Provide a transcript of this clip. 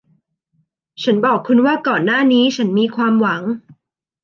ฉันบอกคุณว่าก่อนหน้านี้ฉันมีความหวัง